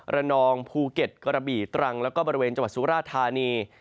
ระนองภูเก็ตกระบี่ตรังแล้วก็บริเวณจังหวัดสุราธานี